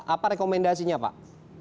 apa rekomendasinya pak